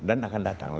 dan akan datang